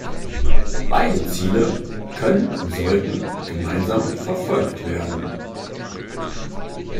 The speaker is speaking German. Beide Ziele können und sollten gemeinsam verfolgt werden.